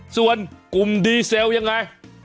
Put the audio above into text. ส่วนกลุ่มดีเซลยังไง